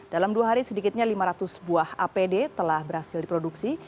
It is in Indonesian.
dalam dua hari sedikitnya lima ratus buah apd telah berhasil diproduksi